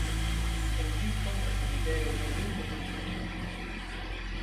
En ĝi fontas riveroj Danubo kaj Neckar.